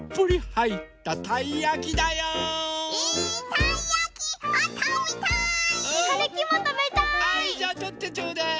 はいじゃあとってちょうだい。